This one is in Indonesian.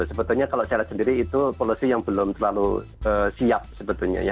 sebetulnya kalau saya lihat sendiri itu policy yang belum terlalu siap sebetulnya ya